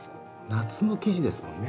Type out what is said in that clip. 夏の生地ですもんね